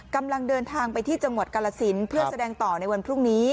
กำลังเดินทางไปที่จังหวัดกาลสินเพื่อแสดงต่อในวันพรุ่งนี้